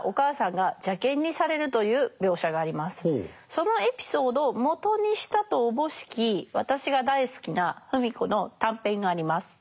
そのエピソードをもとにしたとおぼしき私が大好きな芙美子の短編があります。